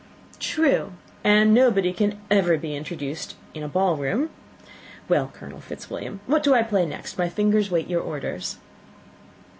"True; and nobody can ever be introduced in a ball room. Well, Colonel Fitzwilliam, what do I play next? My fingers wait your orders."